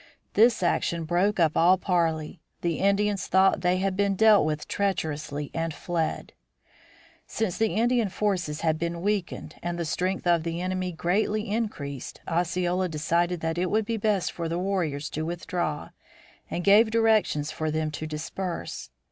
This action broke up all parley; the Indians thought they had been dealt with treacherously and fled. Since the Indian forces had been weakened and the strength of the enemy greatly increased, Osceola decided that it would be best for his warriors to withdraw and gave directions for them to disperse.